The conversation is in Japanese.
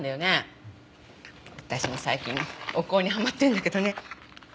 私も最近お香にはまってるんだけどね